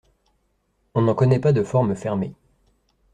On n'en connaît pas de forme fermée.